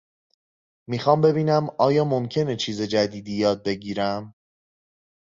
میخوام ببینم آیا ممکنه چیز جدیدی یاد بگیرم؟